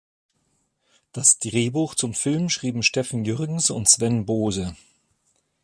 Das Drehbuch zum Film schrieben Steffen Jürgens und Sven Bohse.